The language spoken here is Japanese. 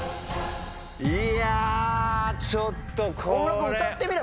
いやちょっとこれ。